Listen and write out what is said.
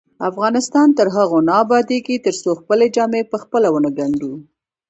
افغانستان تر هغو نه ابادیږي، ترڅو خپلې جامې پخپله ونه ګنډو.